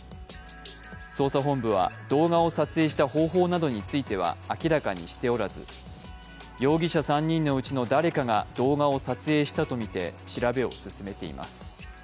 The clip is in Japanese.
捜査本部は動画を撮影した方法などについては明らかにしておらず容疑者３人のうちの誰かが動画を撮影したとみて調べを進めています。